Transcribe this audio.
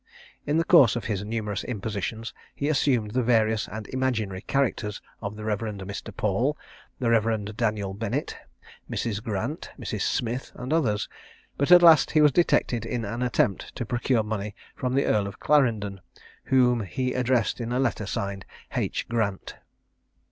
In the course of his numerous impositions, he assumed the various and imaginary characters of the Rev. Mr. Paul, the Rev. Daniel Bennett, Mrs. Grant, Mrs. Smith, and others, but at last he was detected in an attempt to procure money from the Earl of Clarendon, whom he addressed in a letter signed "H. Grant."